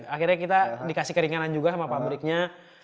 akhirnya kita dikasih keringanan juga sama pabriknya